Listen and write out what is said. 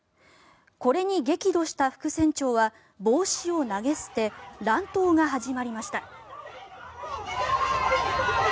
これに激怒した副船長は帽子を投げ捨て乱闘が始まりました。